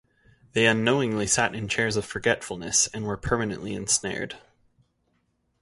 They unknowingly sat in chairs of forgetfulness and were permanently ensnared.